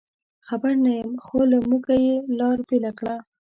خبر نه یم، خو له موږه یې لار بېله کړه.